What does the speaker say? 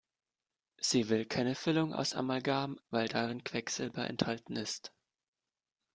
Sie will keine Füllung aus Amalgam, weil darin Quecksilber enthalten ist.